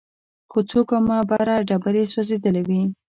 څو ګامه بره ډبرې سوځېدلې وې.